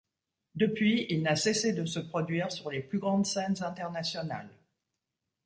Depuis il n'a cessé de se produire sur les plus grandes scènes internationales.